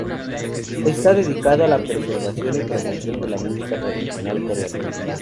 Está dedicado a "la preservación y promoción de la música tradicional Coreana".